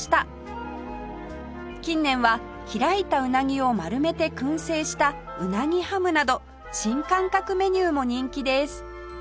近年は開いたうなぎを丸めて燻製したうなぎハムなど新感覚メニューも人気です